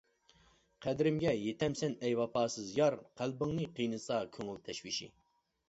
قەدرىمگە يېتەمسەن ئەي ۋاپاسىز يار، قەلبىڭنى قىينىسا كۆڭۈل تەشۋىشى.